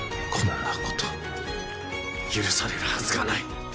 こんなこと許されるはずがない。